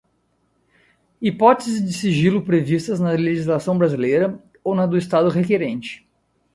hipóteses de sigilo previstas na legislação brasileira ou na do Estado requerente;